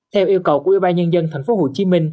theo yêu cầu của ubnd tp hcm